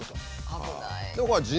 危ない。